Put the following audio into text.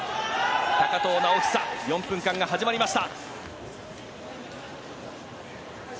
高藤直寿４分間が始まりました。